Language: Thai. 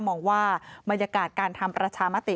มองว่าบรรยากาศการทำประชามติ